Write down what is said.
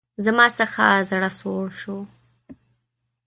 زما څخه زړه سوړ شو.